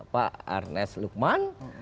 pak arnes lukman